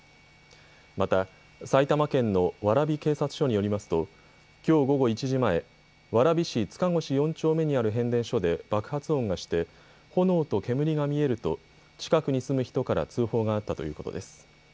また、埼玉県の蕨警察署によりますときょう午後１時前、蕨市塚越４丁目にある変電所で爆発音がして炎と煙が見えると近くに住む人から通報があったということです。